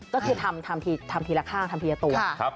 ก็คือทำทีละข้างทำทีละตัว